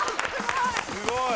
すごい！